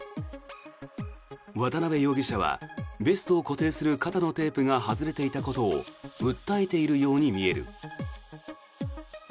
渡邉容疑者はベストを固定する肩のテープが外れていたことを訴えているように見える。